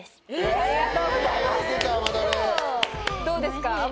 どうですか？